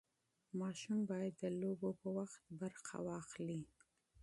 ماشوم باید د لوبو په وخت برخه واخلي.